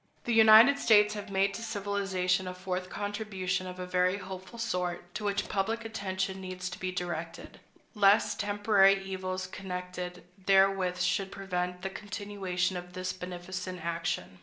The United States have made to civilization a fourth contribution of a very hopeful sort, to which public attention needs to be directed, lest temporary evils connected therewith should prevent the continuation of this beneficent action.